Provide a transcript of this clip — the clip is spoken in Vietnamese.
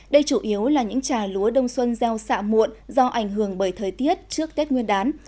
đây chủ yếu là những trà lúa đông xuân gieo xạ muộn do ảnh hưởng bởi thời tiết trước tết nguyên đán